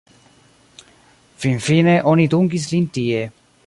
Finfine oni dungis lin tie.